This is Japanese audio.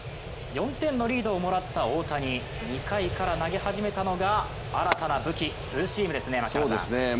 ４点のリードをもらった大谷、２回から投げ始めたのが新たな武器、ツーシームですね。